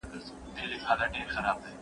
زه سندري ويلي دي؟